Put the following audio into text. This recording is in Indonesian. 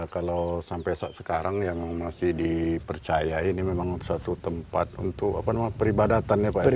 kalau sampai saat sekarang yang masih dipercaya ini memang satu tempat untuk peribadatan